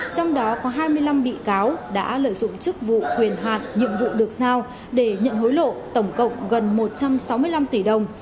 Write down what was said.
trong đó có hai mươi năm bị cáo đã lợi dụng chức vụ quyền hạt nhiệm vụ được giao để nhận hối lộ tổng cộng gần một trăm sáu mươi năm tỷ đồng